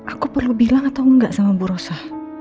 aku perlu bilang atau enggak sama bu rosa